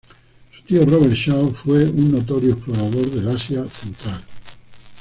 Su tío Robert Shaw fue un notorio explorador del Asia Central.